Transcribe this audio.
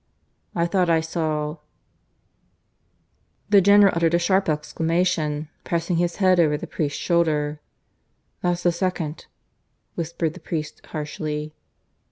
"I thought I saw " The General uttered a sharp exclamation, pressing his head over the priest's shoulder. "That's the second," whispered the priest harshly.